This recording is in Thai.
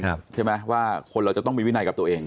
ใช่ไหมว่าคนเราจะต้องมีวินัยกับตัวเอง